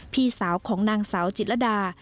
พี่สาวของนางสาวจิตรดา